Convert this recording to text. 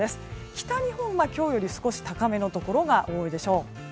北日本は今日より少し高めのところが多いでしょう。